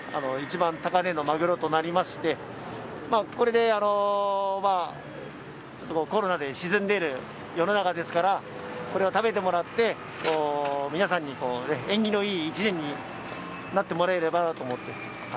一番高値のマグロとなりましてこれで、コロナで沈んでいる世の中ですからこれを食べてもらって皆さんに縁起のいい一年になってもらえればなと思って。